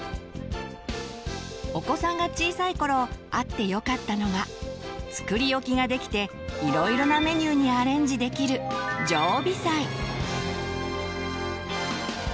お子さんが小さい頃あってよかったのが作り置きができていろいろなメニューにアレンジできる「常備菜」。